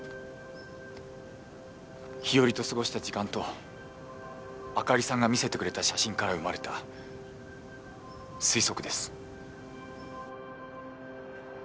日和と過ごした時間と朱莉さんが見せてくれた写真から生まれた推測です。